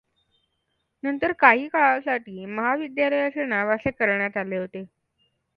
नंतर काही काळासाठी महाविद्यालयाचे नाव असे करण्यात आले होते.